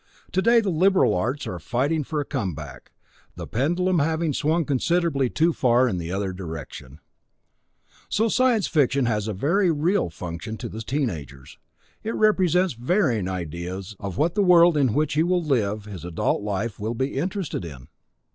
Today the Liberal Arts are fighting for a come back, the pendulum having swung considerably too far in the other direction. So science fiction has a very real function to the teen agers; it presents varying ideas of what the world in which he will live his adult life will be interested in.